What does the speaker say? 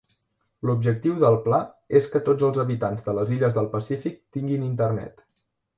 L'objectiu del pla és que tots els habitants de les illes del Pacífic tinguin internet.